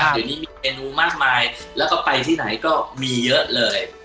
เดี๋ยวนี้มีเมนูมากมายแล้วก็ไปที่ไหนก็มีเยอะเลย